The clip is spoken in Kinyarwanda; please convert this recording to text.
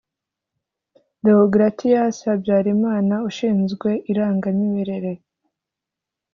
Deogratias Habyarimana ushinzwe irangamimerere